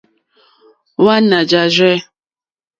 Wàná jáàrzɛ̂.